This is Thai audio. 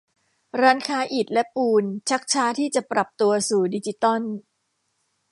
ร้านค้าอิฐและปูนชักช้าที่จะปรับตัวสู่ดิจิตอล